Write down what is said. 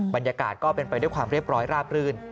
บรรยากาศก็เป็นไปด้วยความเรียบร้อยราบรื่น